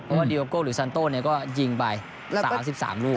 เพราะว่าดีโอโก้หรือซันโต้ก็ยิงไป๓๓ลูก